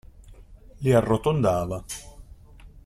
Li arrotondava.